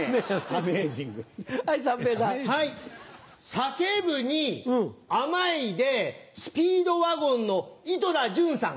「叫ぶ」に「甘い」でスピードワゴンの井戸田潤さん。